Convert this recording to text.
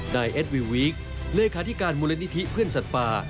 เอ็ดวิววีคเลขาธิการมูลนิธิเพื่อนสัตว์ป่า